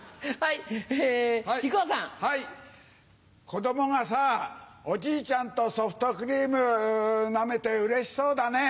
子供がさおじいちゃんとソフトクリームなめてうれしそうだね。